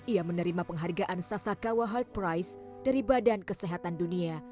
ia menerima penghargaan sasakawa herd price dari badan kesehatan dunia